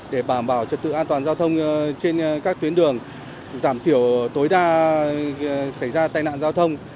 để bảo bảo trật tự an toàn giao thông trên các tuyến đường giảm thiểu tối đa xảy ra tai nạn giao thông